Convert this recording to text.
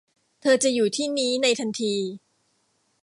เธอจะอยู่ที่นี้ในทันที